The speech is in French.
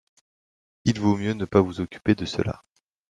Il vaut mieux ne pas vous occuper de cela.